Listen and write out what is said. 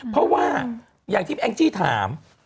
เพราะว่าอย่างที่แองจี้ถาม